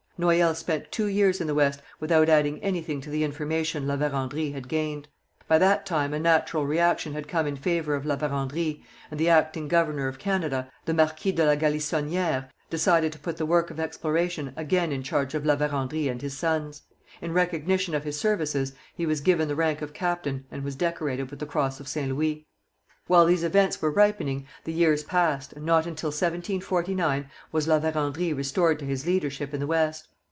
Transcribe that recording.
Noyelle spent two years in the West without adding anything to the information La Vérendrye had gained. By that time a natural reaction had come in favour of La Vérendrye, and the acting governor of Canada, the Marquis de La Galissonière, decided to put the work of exploration again in charge of La Vérendrye and his sons. In recognition of his services he was given the rank of captain and was decorated with the Cross of St Louis. While these events were ripening, the years passed, and not until 1749 was La Vérendrye restored to his leadership in the West.